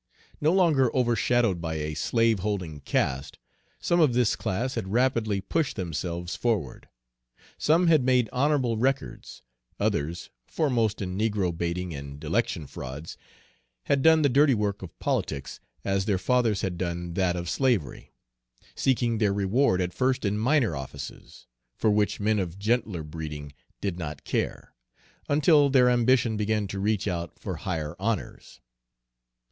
No longer overshadowed by a slaveholding caste, some of this class had rapidly pushed themselves forward. Some had made honorable records. Others, foremost in negro baiting and election frauds, had done the dirty work of politics, as their fathers had done that of slavery, seeking their reward at first in minor offices, for which men of gentler breeding did not care, until their ambition began to reach out for higher honors.